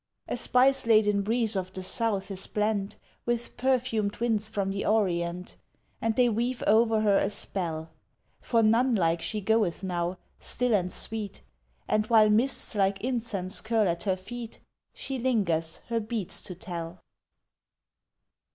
A spice laden breeze of the south is blent With perfumed winds from the Orient And they weave o'er her a spell, For nun like she goeth now, still and sweet And while mists like incense curl at her feet, She lingers her beads to tell.